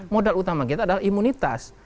modal utama kita adalah imunitas